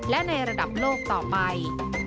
และในระดับโลกต่อไป